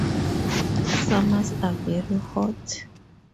Summers are very hot.